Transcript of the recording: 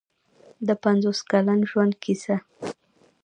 د پنځوس کلن ژوند کیسه.